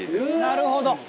「なるほど！」